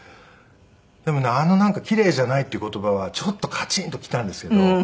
でもねあの「奇麗じゃない」っていう言葉はちょっとカチンときたんですけど。